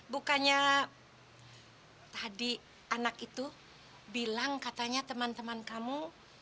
bukannya tadi anak itu bilang katanya teman teman kamu